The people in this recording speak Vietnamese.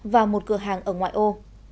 và một cửa hàng ở ngoại ô